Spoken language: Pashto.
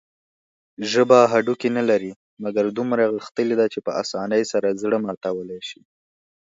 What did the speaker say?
ژبه هډوکي نلري، مګر دومره غښتلي ده چې په اسانۍ سره زړه ماتولى شي.